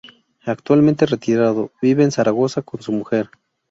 Actualmente retirado, vive en Zaragoza con su mujer.